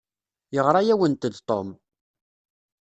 Yeɣra-awent-d Tom.